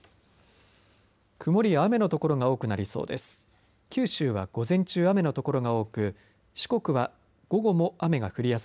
曇りや雨の所が多くなりそうです。